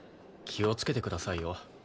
気をつけてくださいよ。